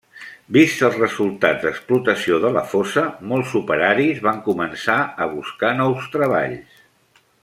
Vists els resultats d'explotació de la fosa, molts operaris van començar a buscar nous treballs.